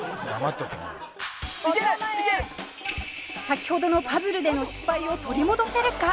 先ほどのパズルでの失敗を取り戻せるか？